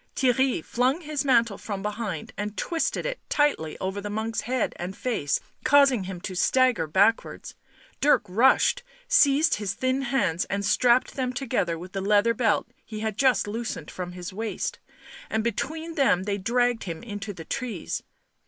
Theirry flung his mantle from behind and twisted it tightly over the monk's head and face, causing him to stagger backwards ; Dirk rushed, seized his thin hands, and strapped them together with the leather belt he had just loosened from his waist, and between them they dragged him into the trees.